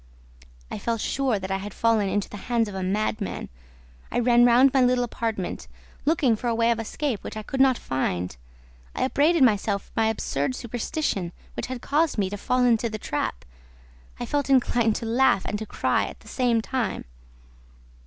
I felt sure that I had fallen into the hands of a madman. I ran round my little apartment, looking for a way of escape which I could not find. I upbraided myself for my absurd superstition, which had caused me to fall into the trap. I felt inclined to laugh and to cry at the same time.